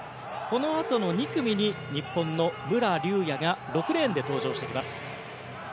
このあと２組に日本の武良竜也が６レーンで登場してきます。